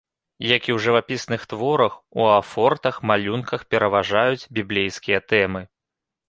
Як і ў жывапісных творах, у афортах, малюнках пераважаюць біблейскія тэмы.